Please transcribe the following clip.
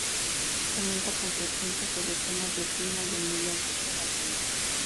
Comenta con frecuencia sobre temas del clima y el medio ambiente en la prensa.